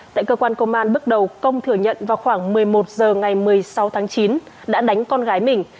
tại cơ quan công an bước đầu công thừa nhận vào khoảng một mươi một h ngày một mươi sáu tháng chín đã đánh con gái mình